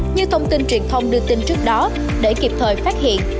như thông tin truyền thông đưa tin trước đó để kịp thời phát hiện